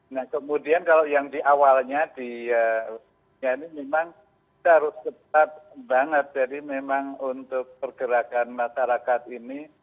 nah kemudian kalau yang di awalnya memang harus cepat banget jadi memang untuk pergerakan masyarakat ini